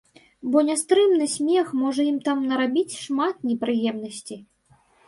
Бо нястрымны смех можа ім там нарабіць шмат непрыемнасцей.